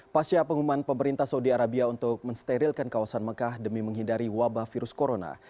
pasca pengumuman pemerintah saudi arabia untuk mensterilkan kawasan mekah demi menghindari wabah virus corona